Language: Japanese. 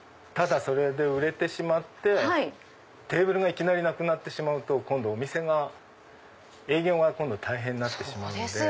売れてしまってテーブルがいきなりなくなってしまうと今度お店が営業が大変になってしまうので。